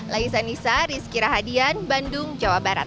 laisa nisa rizky rahadian bandung jawa barat